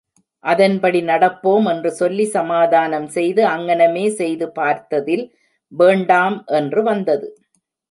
அதன்படி நடப்போம், என்று சொல்லி சமாதானம் செய்து, அங்ஙனமே செய்து பார்த்ததில், வேண்டாம் என்று வந்தது!